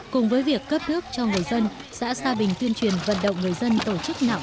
cùng với việc cấp nước cho người dân xã sa bình tuyên truyền vận động người dân tổ chức nạo